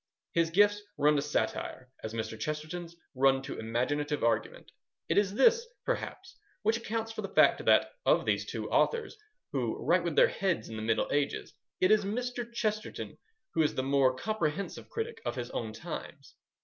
His gifts run to satire, as Mr. Chesterton's run to imaginative argument. It is this, perhaps, which accounts for the fact that, of these two authors, who write with their heads in the Middle Ages, it is Mr. Chesterton who is the more comprehensive critic of his own times.